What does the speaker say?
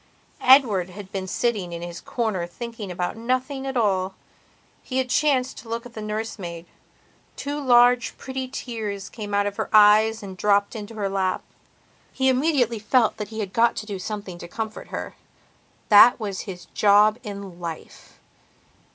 Edward had been sitting in his corner thinking about nothing at all. He had chanced to look at the nurse maid; two large, pretty tears came out of her eyes and dropped into her lap. He immediately felt that he had got to do something to comfort her. That was his job in life.